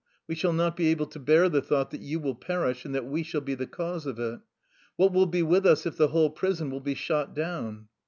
We shall not be able to bear the thought that you will perish and that we shall be the cause of it. What will be with us if the whole prison will be shot down?